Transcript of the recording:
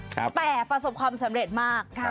แต่ประสบความสำเร็จมาก